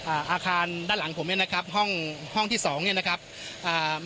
อาคารด้านหลังผมเนี้ยนะครับห้องห้องที่สองเนี้ยนะครับอ่า